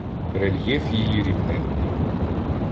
Рельєф її рівнинний.